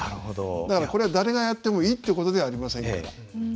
だからこれは誰がやってもいいっていう事ではありませんから。